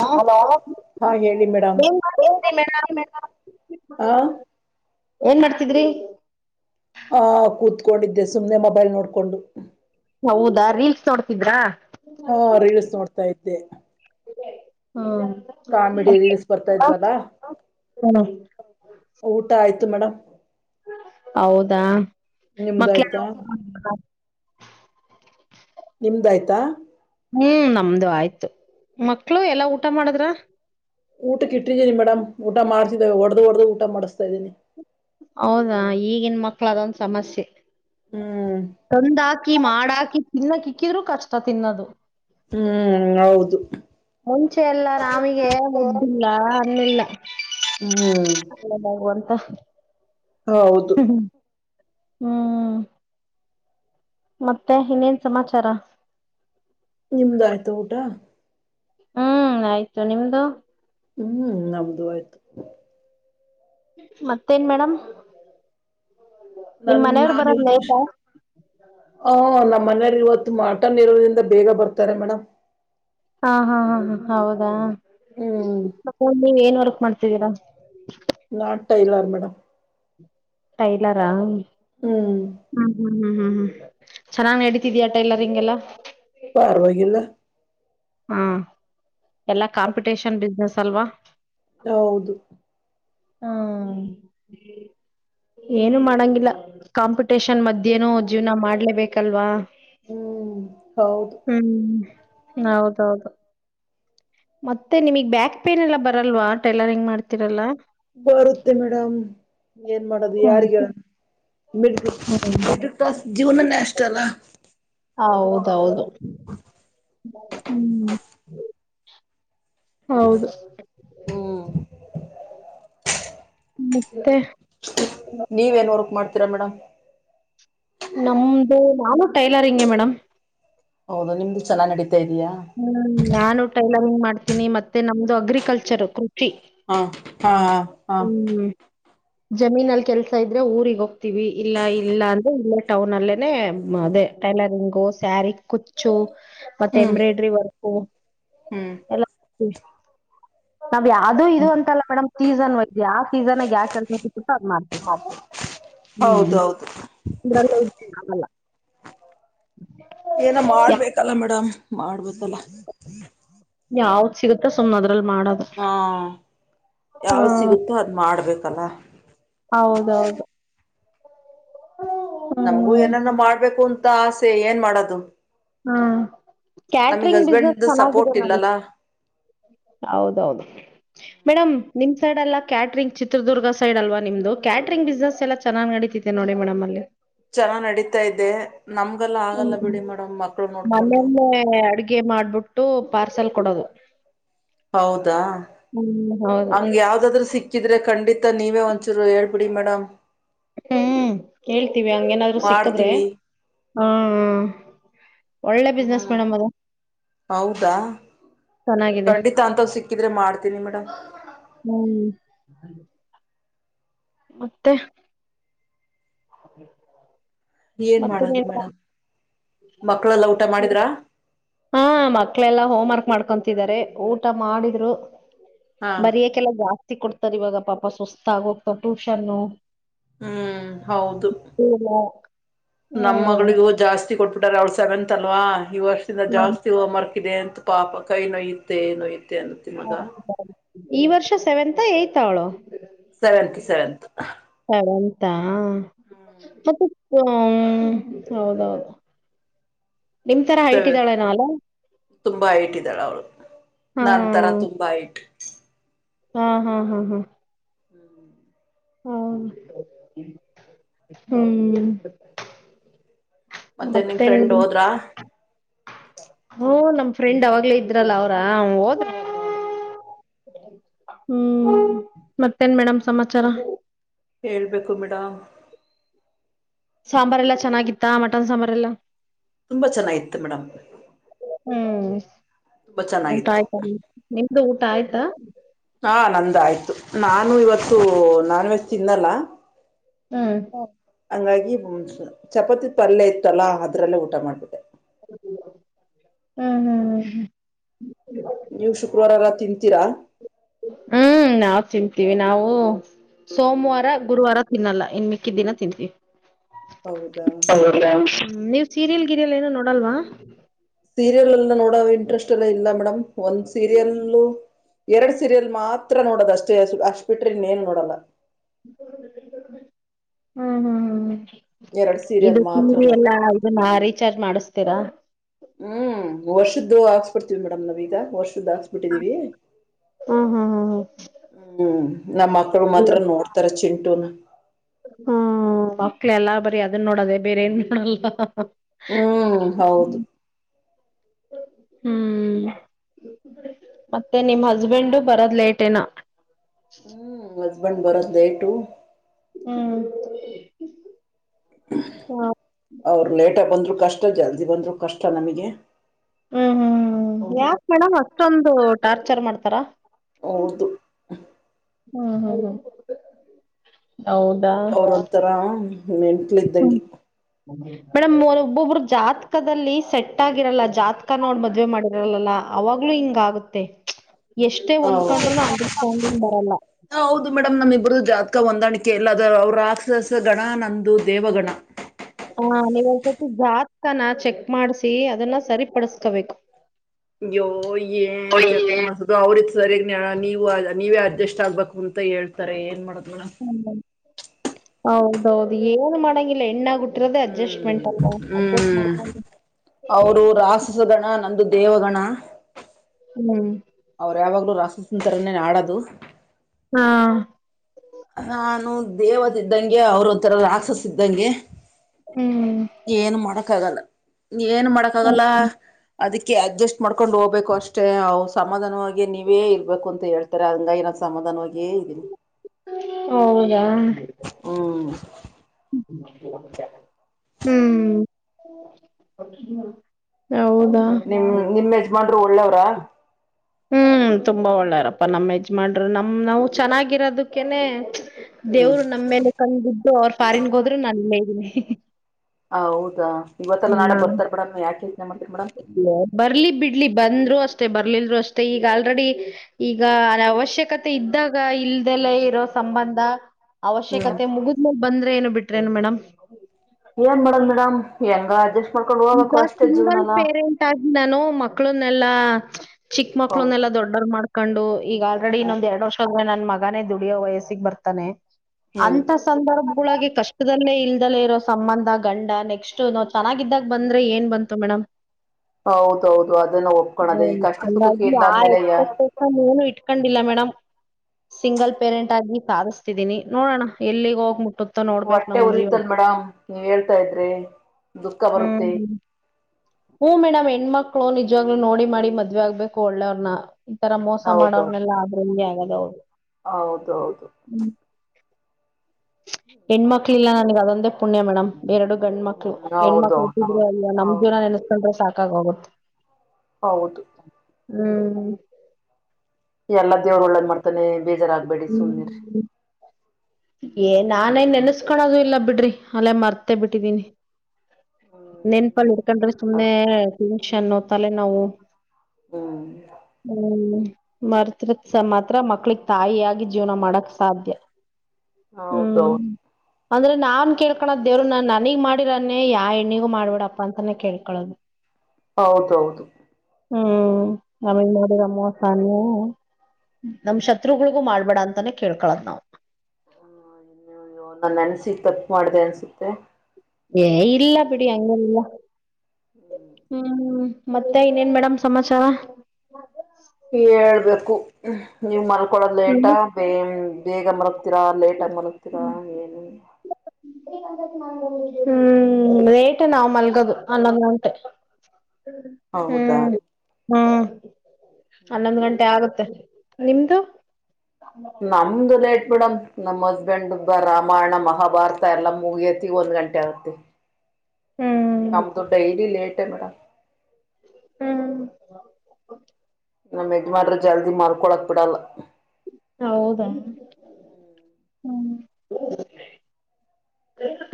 Hello ಹಾ ಹೇಳಿ madam ಏನ್ ಮಾಡ್ತೀರಿ ಮೇಡಂ ಆ ಏನ್ ಮಾಡ್ತಿದ್ರಿ ಆ ಕೂತ್ಕೊಂಡಿದ್ದೆ ಸುಮ್ನೆ ಮೊಬೈಲ್ ನೋಡ್ಕೊಂಡು ಹೌದಾ ರೀಲ್ಸ್ ನೋಡ್ತಿದ್ರಾ ಹಾ ರೀಲ್ಸ್ ನೋಡ್ತಾ ಇದ್ದೆ ಹ್ಮ ಕಾಮಿಡಿ ರೀಲ್ಸ್ ಬರ್ತಾ ಇದ್ವಲ್ಲಾ ಊಟ ಆಯ್ತು ಮೇಡಮ್ ಹೌದಾ ನಿಮ್ದ ಮಕ್ಳ ಆಯ್ತಾ ನಿಮ್ದಾಯ್ತಾ ಹ್ಮ್ ನಮ್ದು ಆಯ್ತು ಮಕ್ಳು ಎಲ್ಲಾ ಊಟ ಮಾಡಿದ್ರ ಊಟ ಇಟ್ಟಿದ್ದೀನಿ ಮೇಡಮ್ ಊಟ ಮಾಡ್ತಿದಾವೆ ಹೊಡೆದು ಹೊಡೆದು ಊಟ ಮಾಡಿಸ್ತಾ ಇದ್ದೀನಿ ಹೌದ ಈಗಿನ ಮಕ್ಳ ಅದೊಂದ ಸಮಸ್ಯೆ ಹ್ಮ್ ತಂದೂಹಕಿ ಮಾಡಾಕಿ ತಿನ್ನಕ್ ಇಕ್ಕಿದ್ರು ಕಷ್ಟ ತಿನ್ನದು ಹ್ಮ್ ಹೌದು ಮುಂಚೆ ಎಲ್ಲ ನಮಿಗೆ ಮುದಿಲ್ಲ ಅನ್ನಿಲ್ಲ ಹ್ಮ್ ಭಗವಂತ ಹ ಹೌದು ಹ್ಮ್ ಮತ್ತೆ ಇನ್ನೇನ್ ಸಮಾಚಾರ ನಿಮ್ದಾಯ್ತಾ ಊಟ ಹ್ಮ್ ಆಯ್ತು ನಿಮ್ದು ಹ್ಮ್ ನಮ್ದ ಆಯ್ತು ಮತ್ತೇನ್ ಮೇಡಂ ನನ್ ನಾನ್ ಇವತ್ತು ಹ ನಮ್ಮ ಮನೇಲಿ ಇವತ್ತು ಮಟನ್ ಇರೋದ್ರಿಂದ ಬೇಗ ಬರ್ತಾರೆ ಮೇಡಮ್ ಹಾ ಹಾ ಹಾ ಹ ಹೌದಾ ಹ್ಮ್ ಮ ನೀವ್ ಏನ್ ವರ್ಕ್ ಮಾಡ್ತಿದ್ದೀರ ನಾನ್ ಟೈಲರ್ ಮೇಡಮ್ ಟೈಲರ ಹ್ಮ್ ಹ್ಮ್ ಹ್ಮ್ ಹ್ಮ್ ಹ್ಮ್ ಹ್ಮ್ ಚೆನ್ನಾಗ್ ನಡೀತಿದೀ ಟೈಲರಿಗ್ ಎಲ್ಲಾ ಪಾರವಾಗಿಾಗಿಲ್ಲ ಹಾ ಎಲ್ಲಾ ಕಾಂಪಿಟೇಷನ್ ಬಿಸ್ನೆಸ್ ಅಲ್ವಾ ಹೌದು ಹು ಏನು ಮಾಡಂಗಿಲ್ಲ ಕಾಂಪಿಟೇಷನ್ ಮಧ್ಯನ ಜೀವ್ನ ಮಾಡ್ಲೇಬೇಕಲ್ವಾ ಹ್ಮ್ ಹೌದು ಹ್ಮ್ ಹೌದೌದು ಮತ್ತೆ ನಿಮಗ್ ಬ್ಯಾಕ್ ಪೇನ್ ಎಲ್ಲ ಬರಲ್ವಾ ಟೈಲರಿಂಗ್ ಮಾಡ್ತೀರಲ್ಲ ಬರುತ್ತೆ ಮೇಡಮ್ ಏನ್ ಮಾಡದು ಯಾರಿಗಾರ ಮೆಟ್ರಕ್ ಮೆಟ್ರಿಕ್ ಪಾಸ್ ಜವನ ನೆಷ್ಟಟಲ್ಲ ಹ ಹೌದೌದು ಹ್ಮ್ ಹೌದು ಹ್ಮ್ ಮತ್ತೆ ನೀವೇನ್ ವರ್ಕ್ ಮಾಡ್ತೀರಾ ಮೇಡಮ್ ನಮ್ದು ನಾನು ಟೈಲರಿಂಗೆ ಮೇಡಮ್ ಹೌದು ನಿಮ್ದು ಚೆನ್ನಗಿ ನಡೀತೆ ಹ್ಮ್ ನಾನು ಟೈಲರಿಂಗ್ ಮಾಡ್ತೀನಿ ಮತ್ತೆ ನಮ್ದು ಅಗ್ರಿಕಲ್ಚರ್ ಕೃಷಿ ಹಾ ಹಾ ಹಾ ಹ್ಮ್ ಜಮೀನಲ್ಲಿ ಕೆಲ್ಸ ಇದ್ರೆ ಊರಿಗೆ ಹೋಗ್ತೀವಿ ಇಲ್ಲ ಇಲ್ಲ ಅಂದ್ರೆ ಇಲ್ಲೇ ಟೌನ್ ಅಲ್ಲೇನೆ ಅದೇ ಟೈಲರಿಂಗು ಸ್ಯಾರಿ ಕುಚ್ಚು ಮತ್ತೆ ಹ್ಮ್ ಎಂಬ್ರಾಯ್ಡರಿ ವರ್ಕ್ ಓ ಹ್ಮ್ ಎಲ್ಲ ನಾವ್ ಯಾವ್ದೂ ಇದು ಅಂತಲ್ಲ ಮೇಡಮ್ ಸೀಸನ್ ವ ಆ ಸೀಸನ್ ಯಾಕ ಮಾಡ್ತೀ ಹ್ಮ್ ಹೌದೌದು ಅಲ್ಲ ಏನ ಮಾಡ್ಬೇಕಲ್ಲ ಮೇಡಮ್ ಮಾಡ್ಬತ್ತಲ್ಲ ಯಾವತ್ ಸಿಗುತ್ತಾ ಸುಮ್ನದ ಹಾ ಯಾವ ಹ್ಮ್ ಸಿಗುತ್ತೋ ಅದ್ ಮಾಡ್ಬೇಕಲ್ಲ ಹೌದೌದು ನಮ್ಗೂ ಹ್ಮ್ ಏನಾನ ಮಾಡ್ಬೇಕು ಅಂತ ಆಸೆ ಏನ್ ಮಾಡದು ಹಾ ಕ್ಯಾಟಂಗ್ ಬಿಸ್ನೆಸ್ ಹಸ್ಬೆಂಡ್ ಚನ್ನಾಗಿದೆ ಸಪೋರ್ಟ್ ನ ಇಲ್ಲಲ್ಲ ಹೌದೌದು ಮೇಡಮ್ ನಿಮ್ ಸೈಡ್ ಎಲ್ಲ ಕ್ಯಾಟ್ರಂಗ್ ಚಿತ್ರದುರ್ಗ ಸೈಡ್ ಅಲ್ವಾ ನಿಮ್ದು ಕ್ಯಾಟ್ರಂಗ್ಿಸ್ನೆಸ್ ಎಲ್ಲ ಚೆನ್ನ್ ನಡಿತತಿತೆ ನೋ ಡಿ ಮೇಡಮ್ ಅಲ್ಲಿ ಚನ್ನ ನಡೀತಾ ಇಡೀ ನಮ್ಗೆಲ್ಲ ಆಗಲ್ಲ ಹ್ಮ್ ಬಿಡಿ ಮೇಡಮ್ ಮಕ್ಳು ನೋಡ್ಕೊಂಡು ಪಾರ್ಸೆಲ್ ಕೊಡೋದು ಹೌದಾ ಹೌದು ಹಂಗ ಯಾವ್ದಾದ್ರು ಸಿಕ್ಕಿದ್ರೆ ಖಂಡಿತ ನೀವೇ ಒಂದ್ಸೂರು ಹೇಳ್ಬಿಡಿ ಮೇಡಮ್ ಹ್ಮ್ ಹೇಳ್ತೀವಿ ಹಂಗೇನಾದ್ರು ಸಿಕ್ಕದ್ರೆ ಮಾಡ್ತೀವಿ ಹ್ಮ ಹ್ಮ ಹ್ಮ ಹೌದಾ ಚೆನ್ನಾಗಿದೆ ಖಂಡಿತ ಅಂತ್ ಸಿಕ್ಕಿದ್ರೆ ಮಾಡ್ತೀನಿ ಮೇಡಮ್ ಹ್ಮ್ ಮತ್ತೆ [inaudible] ಏನ್ ಮತ್ತೆ ಮಾಡದು ನೀನು ಮೇಡಮ್ ಮಕ್ಳೆಲ್ಲ ಊಟ ಮಾಡಿದ್ರ ಹಾ ಮಕ್ಳೆಲ್ಲಾ ಹೋಮ್ ವರ್ಕ್ ಮಾಡ್ಕೊತಿದಿದ್ದಾರೆ ಊಟ ಮಾಡಿದ್ರು ಹಾ ಬರಿಯಕ್ಕೆೆಲ್ಲ ಜಾಸ್ತಿ ಕೊಡ್ತಾರ್ ಇವಾಗ ಪಾಪ ಸುಸ್ತಾಗೋಗ್ತಾವ ಟ್ಯೂಷನ್ನು ಹ್ಮ್ ಹೌದು ಹ್ಮ್ ನಮ್ಮ್ ಮಗಳಿಗೂ ಜಾಸ್ತಿ ಕೊಟ್ಬಿಟಾರ ಅವಳ ಸೆವೆನ್ ಅಂತಲ್ವಾ ಈ ವರ್ಷದಿಂದ ನಮ್ ಜಾಸ್ತಿ ಹೋಮರ್ಕ್ ಇದೆ ಅಂತ ಪಾಪ ಕೈ ನೋಯತ್ತೆ ನೋಯೆ ಟೆಂಟು ಮಗ ಈ ವರ್ಷ ಸೆವೆಂತ್ ಯತ್ ಅವಳು ಸೆವೆಂತ್ ಸೆವೆಂತ್ ಮತ್ತಾ ಮತ್ತೆ ಹ ಹೌದೌದು ನಿಮ್ ತರ ಹೈಟ್ ಸವೆನ್ ಇದ್ದಾಳೆನೋ ಅಲ್ಲ ತುಂಬಾ ಹೈಟ್ ಇದಾಳ್ ಅವ್ಳು. ಹಾ ನಂತರ ತುಂಬಾ ಹೈಟ್. ಹ್ಮ ಹಾ ಹಾ ಹಾ ಹ್ಮ್ ಹಾ ಹ್ಮ್ ಮತ್ತೆ ನಿಮ್ ಫ್ರೆಂಡ್ ಹೋದ್ರಾ? ಹೂಂ ನಮ್ ಫ್ರೆಂಡ್ ಆವಾಗ್ಲೇ ಇದ್ರಲ್ಲ ಅವ್ರ ಹ್ಮ್ ಹ್ಮ್ ಮತ್ತೇನ್ ಮೇಡಮ್ ಸಮಾಚಾರ. ಹೇಳ್ಬೇಕು ಮೇಡಮ್ ಸಾಂಬಾರೆ ಎಲ್ಲಾ ಚೆನ್ನಾಗಿತ್ತ ಮಟನ್ ಸಾಂಬಾರ್ಲ್ಲಾ ತುಂಬಾ ಚೆನ್ನಾಗಿತ್ತು ಮೇಡಮ್. ಹ್ಮ್ ತುಂಬಾ ಊಟ ಚೆನ್ನಾಗಿತ್ತು ಆಯ್ತಾ ನಿಮ್ದು ಊಟ ಆಯ್ತಾ. ಹಾ ನಂದ ಆಯ್ತು ನಾನು ಇವತ್ತು ನಾನ್ ವೆಜ್ ತಿನ್ನಲ್ಲ. ಹ್ಮ್ ಹಂಗಾಗಿ ಚಪಾತಿ ಪಲ್ಯ ಇತ್ತಲ್ಲಾ ಅದ್ರಲ್ಲೇ ಊಟ ಮಾಡ್ಬಿಟ್ಟೆ. ಹ್ಮ ಹ್ಮ ಹ್ಮ್ ಹ್ಮ ನೀವ ಶುಕ್ರವಾ ಎಲ್ಲ ತಿಂತೀರಾ. ಹ್ಮ್ ನಾವ್ ತಿನ್ಂತೀವಿ ನಾವು ಸೋಮವಾರ ಗುರುವಾರ ತಿನ್ನಲ್ಲ. ಇನ್ ಮಿಕ್ಕಿ ದಿನ ತಿಂತಿವಿ. ಹೌದಾ ಸೀರಿಯಲ್ ಗಿರಿಯಲ್ ಏನು ನೋಡಲ್ವಾ? ಸೀರಿಯಲ್ ಎಲ್ಲ ನೋಡವ ಇಂಟ್ರೆಸ್ಟ್ ಇಲ್ಲ ಮೇಡಮ್. ಒಂದು ಸೀರಿಯಲ್ಲ ಎರಡು ಸೀರಿಯಲ್ ಮಾತ್ ತ್ರ ನೋಡೋದ ಅಷ್ಟೇ ಅಷ್ಟಬಿಟ್ಟರೆ ಇನ್ನೇನ್ ನೋಡಲ್ಲ. ಹ್ಮ್ ಹ್ಮ್ ಹ್ಮ್ ಎರಡ್ ಸೀರಿಯಲ್ ಇದು ಮಾತ್ರ ಟಿವಿ ನೋಡ್ ಎಲ್ಲಾ ಇದನ್ನ ರೀಚಾರ್ಜ್ ಮಾಡಿಸ್ತೀರಾ? ಹ್ಮ್ ವರ್ಷದ್ದು ಹಾಕ್ಸ್ ಬಿಡ್ತಿವಿ ಮೇಡಮ್ ನಾವೀಗ ವರ್ಷ ದಾಕ್ಸ್ಬಿಟ್ಟಿದ್ದೀವಿ. ಹ್ಮ್ ಹ್ಮ್ ಹ್ಮ್ ನಮ್ಮ ಮಕ್ಳು ಹ್ಮ್ ಮಾತ್ರ ನೋಡ್ತಾರೆ ಚಿಂಟುನ. ಹ್ಮ್ ಮಕ್ಳ ಎಲ್ಲ ಬರಿ ಅದನ್ ನೋಡದೆ ಬೇರೆ ಏನ್ ನೋಡಲ್ಲ. ಹ್ಮ್ ಹೌದು. ಹ್ಮ್ ಮತ್ತೆ ನಿಮ್ ಹಸ್ಬೆಂಡು ಬರದ್ ಲೇಟ ಏನೋ. ಹ್ಮ್ ಹಸ್ಬೆಂಡ್ ಬರದ ಲೇಟು. ಹ್ಮ್ ಹ್ಮ್ ಅವರು ಲೇಟಾಗಿ ಬಂದ್ರು ಕಷ್ಟ ಜಲ್ದಿ ಬಂದ್ರು ಕಷ್ಟ ನಮಗೆ. ಹ್ಮ್ ಯಾಕ ಮೇಡಮ್ ಅಷ್ಟೊಂದು ಟಾರ್ಚರ್ ಮಾಡ್ತಾರ. ಹೌದು ಹಂ ಹಂ ಹಂ ಅವರ ಒಂತರ ಮೆಂಟ್ಲ ಹ್ಮ್ ಇದ್ದಂಗೆ. ಮೇಡಮ್ ಒಬ್ಬೊಬ್ರು ಜಾತಕದಲ್ಲಿ ಸೆಟ್ ಆಗಿರಲ್ಲ ಜಾತಕ ನೋಡ್ ಮದ್ವೆ ಮಾಡಿರಲ್ಲ ಅವಾಗೂ ಹಿಂಗ ಆಗುತ್ತೆ. ಎಷ್ಟೇ ಹ ಹೊಂದ್ಕೊಂಡ್ರುನು ಅಂಡರ್ಸ್ಟ್ಯಾಂಡಿಂಗ್ ಬರಲ್ಲ ಹೌದು ಮೇಡಮ್ ನಮ ಇಬ್ಬುರ್ದು ಜಾತ್ ಕ್ಕ ಹೊಂದಾಣಿಕೆ ಇಲ್ಲ ಅದ್ರ ಅವ್ರ ರಾಕ್ಷಸ ಗಣ ನಂದು ದೇವಗಣ. ಹ ನೀವು ಒಂದ್ಸತಿ ಜಾತ್ಕನಾ ಚೆಕ್ ಮಾಡ್ಸಿ ಅದನ್ನ ಸರಿಪಡಸ್ಕೋಬೇಕು. ಯೋ ಏನ್ ಚೆಕ್ ಮಾಡ್ಸೋದೋ ಅವರಿಗ ಸರಿಯಾಗಿ ನೀವ್ ನೀವೇ ಅಡ್ಜಸ್ಟ್ ಆಗ್ಬೇಕು ಅಂತ ಹೇಳ್ತಾರೆ ಏನ್ ಮಾಡ ಹ ಹೌದೌದು ಏನು ಮಾಡಂಗಿಲ್ಲ ಎಣ್ಣಾಗ ಹುಟ್ಟ ನಿಂತಿರೋದೆ ಹ್ಮ್ ಅಡ್ಜಸ್ಟ್ಮೆಂಟ್ ಅಲ್ವಾ ಅಡ್ಜಸ್ಟ್ ಹ್ಮ್ ಮಾಡ್ ಅವರು ರಾಕ್ಷಸ ಗಣ ನಂದು ದೇವಗಣ ಹ್ಮ್ ಅವ್ರ ಯಾವಾಗ್ಲೂ ರಾಷ್ಟತತ್ರರನ್ನೇ ಆಡೋದು ಹಾ ನಾನು ದೇವತೆ ಇದ್ದಂಗೆ ಅವ್ರ ಒಥರ ರಾಕ್ಷಸ ಇದ್ದಂಗೆ ಹ್ಮ್ ಏನು ಮಾಡಕ್ಕ ಆಗಲ್ಲ ಏನ್ ಮಾಡಕ ಆಗಲ್ಲ ಅದಕ್ಕೆ ಅಡ್ಜಸ್ಟ್ ಮಾಡ್ಕೊಂಡ್ ಹೋಗ್ಬೇಕ ಅಷ್ಟೇ ಅವವು ಸಮಾಧಾನವಾಗಿ ನೀವೇ ಇರ್ಬೇಕು ಅಂತ ಹೇಳ್ತಾರೆ ಹಂಗನ ಸಮಧಾನವಾಗಿಯೇ ಇದ್ದೀನಿ ಹೌದ ಹ್ಮ್ ಹ್ಮ್ ಹೌದಾ ನಿಮ್ ನಿಮ್ಮ್ ಯಜಮಾನ್ರು ಒಳ್ಳೆವ್ರ? ಹ್ಮ್ ತುಂಬಾ ಒಳ್ಳೆರಪ್ಪಾ ನಮ್ಮ್ ಯಜಮಾನ್ರೂ ನಮ್ಮ ನಾವು ಚೆನ್ನಾಗಿರೋದಕ್ಕೇನೆ ಹ್ಮ್ ದೇವ್ರು ನಮ್ಮ ಮೇಲೆ ಕಣ್ಣ ಬಿದ್ದು ಅವರು ಫಾರನ್ಗೆ ಹೋದ್ರು ನಾನೀಲ್ಲೇ ಇದೀನಿ. ಹ ಹೌದಾ ಇವತ್ತಲ್ಲಾ ನಾಳೆ ಬರ್ತಾರೆ ಮೇಡಮ್ ಯಾಕೆ ಯೋಚನೆ ಮಾಡ್ತೀರಿ ಮೇಡಮ್ ಬರ್ಲಿ ಬಿಡ್ಲಿ ಬಂದ್ರು ಅಷ್ಟೇ ಬರ್ಲಿಲ್ ಆಂಡ್ರುವೆ ಅಷ್ಟೇ ಮತ್ತೆ ಈಗ ಆಲ್ರೆಡಿ ಈಗ ಅವಶ್ಯಕತೆ ಇದ್ದಾಗ ಇಲ್ದೆಲ್ಲ ಇರೋ ಸಂಬಂಧ ಹ್ಮ್ ಅವಶ್ಯಕತೆ ಮುಗಿದಮೇಲೆ ಬಂದ್ರೆ ಏನು ಬಿಟ್ರೇನು ಮೇಡಮ್ ಏನ್ ಮಾಡಡಮ್ ಮೇಡಮ್ ಹೆಂಗ ಅ ಜಸ್ ಈಗ ಸಿಂಗಲ್ ಪೇರೆಂಟ್ ಆಗ ನಾನು ಮಕ್ಳನ್ನೆಲ್ಲಾ ಚಿಕ್ಕ ಮಕ್ಳುನ್ನೆಲ್ಲ ಹೌದು ದೊಡ್ಡವ್ ಮಾಡಕು ಈಗ ಆಲ್ರೆಡಿ ಹ್ಮ್ ಇನ್ನೊಂದ ಎರಡು ವರ್ಷದ ಮಗನೇ ದುಡಿಯೋ ವಯಸ್ಸಿಗೆ ಬರ್ತಾನೆ ಹ್ಮ್ ಅಂತ ಸಂದರ್ಭಗಳ ಕಷ್ಟದಲ್ಲೇ ಇಲ್ದಲ್ಲೇ ಇರೋ ಸಂಬಂಧ ಗಂಡ ನೆಕ್ಸ್ಟ್ ನಾವ್ ಚೆನ್ನಾಗಿದ್ದಾಗ ಬಂದ್ರೆ ಏನ್ ಬಂತು ಮೇಡಮ್ ಹೌದೌದು ಅದನ್ನ ಹ್ಮ ಒಪ್ಕೊಳದೆ ಈ ಕಷ್ಟ ಸುಖಕ್ಕೆ ಹಾಗಾಗಿ ಇಲ್ಲ ಆ ಅಂದ್ಮೇಲೆ ಯಾ ಎಕ್ಸ್ಪೆಕ್ಟನ್ ಏನು ಇಟ್ಕೊಂಡ ಇಲ್ಲ ಮೇಡಮ್ ಸಿಂಗಲ್ ಪೇರೆಂಟ್ ಆಗಿ ಸಾಧ್ತಿದ್ದೀನಿ ನೋಡೋಣ ಎಲ್ಲಿಗೆ ಹೋಗ್ ಮುಟ್ಟು ಹೊಟ್ಟೆ ಉರಿತನ್ ಮೇಡಮ್ ನೀವ್ ಹೇಳ್ತಾ ಇದ್ರಿ ದುಃಖ ಹ್ಮ್ ಬರುತ್ತೆ ಹ್ಮ ಹ್ಮ ಮೇಡಮ್ ಹೆಣ್ಮಕ್ ಮಕ್ಕಳು ನಿಜವಾಗ್ಲೂ ನೋಡಿ ಮಾಡಿ ಮದ್ವೆ ಆಗ್ಬೇಕು ಒಳ್ಳೆವನ ಈ ತರ ಮೋಸ ಮಾಡೋವರ್ನೆೆಲ್ಲ ಆದ್ರ ಇಲ್ಲಿ ಆಗ ಹೌದ ಹೌದು ಹೆಣ್ಮಕ್ಳ ಇಲ್ಲ ನನಗೆ ಅದೊಂದೇ ಪುಣ್ಯ ಮೇಡಮ್ ಬೇರೆರಡು ಗಂಡ ಮಕ್ಳು ಹ್ಮ್ ಹೆಣ್ಮ ಮಕ್ಳುಟ್ಟಿದ್ರೆ ಹೌದೌದೌದು ಅಲ್ಲ ನಮಮ್ಮ ಹೌದು ಜವನ ನೆನೆಸ್ಕೊಂಡ್ರೆ ಸಾಕಾಗೋಗುತ್ತೆ ಹೌದು ಹ್ಮ್ ಎಲ್ಲಾ ದೇವ್ರ ಒಳ್ಳ್ ಮಾಡ್ತಾನೆ ಬೇಜಾರಾಗಬೇಡಿ ಸುೀರ್ ಹ್ಮ್ ಏ ನಾನೇ ನೆನ್ಸ್ಕೊಳೋದು ಇಲ್ಲ ಬಿಡ್ರಿ ಅಲ್ಲೇ ಮರ್ತೆೇ ಬಿಟ್ಟಿದೀನಿ ನೆನ್ಪಲ್ ಹಿಡ್ಕೊಂಡ್ರಿ ಹ್ಮ್ ಸುಮ್ನೆ ಟೆನ್ಷನ್ ತಲೆೆ ನಾವು ಹ್ಮ್ ಹ್ಮ್ ಮರ್ತ್ರತ್ಸ ಮಾತ್ರ ಮಕ್ಳಗ್ ತಾಯಿಯಾಗಿ ಜೀವನ ಮಾಡಕ್ ಸಾಧ್ಯ ಹೌದ ಹ್ಮ್ ಅಂದ್ರೆ ನಾನ್ ಕೇಳ್ಕಳದ್ ದೇವ್ರು ನಾನ್ ನನಗ್ ಮಾಡಿರನ್ನೇ ಯಾ ಹೆಣ್ಣಿಗೂ ಮಾಡ್ಬಿಡಪ್ಪಾ ಅಂತಾನೇ ಕೇಳ್ಕೊಳೋದು ಹೌದು ಹೌದು ಹ್ಮ್ ನಮ ಮಾಡ್ರದ ಮೋಸಾನ ನಮ್ ಶತ್ರುಗಳಿಗೂ ಮಾಡ್ಬೇಡ ಅಂತಾನೇ ಕೇಳ್ಕಳದ್ ನಾವ್ ಹ್ಮ ಇನ್ನು್ಯೋ ನನ್ನ ಅನ್ಸಿ ತಪ್ಪು ಮಾಡಿದೆ ಅನ್ಸುತ್ತೆ ಏ ಇಲ್ಲ ಬಿಡಿ ಹಂಗಲ್ಲ ಹ್ಮ ಹ್ಮ ಮತ್ತೆ ಇನ್ನೇನ್ ಮೇಡಮ್ ಸಮಾಚಾರ ಹೇಳ್ಬೇಕು ನೀವ್ ಮಲ್ಕೊಡದ್ ಲೇಟ ಹ್ಮ ಬೇ ಬೇಗ ಮಲಗ್ತೀರಾ ಲೇಟಾಗಿ ಮಲಗ್ತೀರಾ ಏನು ಹ್ಮ್ ರೇಟ್ ನಾವ್ ಮಲ್ಗೋದು ಅನ್ನೋದ ಉಟೆ ಹ್ಮ್ ಹೌದಾ ಹ್ಮ್ ಹನ್ನೊಂದು ಗಂಟೆ ಆಗುತ್ತೆ ನಿಮ್ದು ನಮ್ದುಲ್ಲೇಟ್ಪಿಡಮ ನಮ್ಮ್ ಹಸ್ಬೆಂಡ್ಬ್ಬ ರಾಮಾಯಣ ಮಹಾಭಾರತ ಎಲ್ಲ ಮುಗಿಯತಿ ಒಂದ್ ಗಂಟೆ ಆಗತ್ತತಿ ಹ್ಮ್ ನಮ್ದು ಡೈಲಿ ಲೇಟ್ ಹೆ ಮೇಡಮ್. ಹ್ಮ್ ನಮ್ ಯಜಮಾನರು ಜಲ್ದಿ ಮಲ್ಕೊಳಕ್ ಬಿಡಲ್ಲ ಹ ಹೌದಾ ಹ್ಮ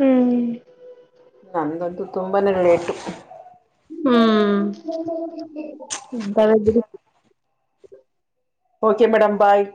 ಹ್ಮ್ ನಂದ್ದು ತುಂಬಾನೇ ರೇಟು ಹಾ [unintelligible] ಓಕೆ ಮೇಡಮ್ ಬಾಯ್